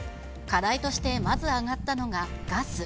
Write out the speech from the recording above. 課題としてまず挙がったのがガス。